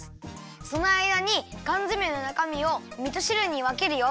そのあいだにかんづめのなかみをみとしるにわけるよ。